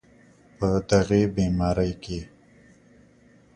په دغې بیمارۍ کې